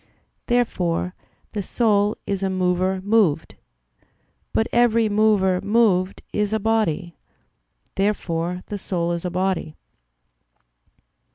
Therefore the soul is a mover moved. But every mover moved is a body. Therefore the soul is a body.